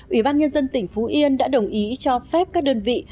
ủy ban nhân dân tỉnh phú yên đã đồng ý cho phép các đơn vị